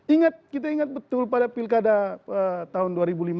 ingat kita ingat betul pada pilkada tahun dua ribu lima belas